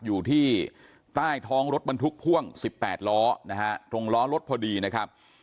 อยู่ที่ใต้ท้องรถบรรทุกพ่วง๑๘ล้อนะฮะตรงล้อรถพอดีนะครับ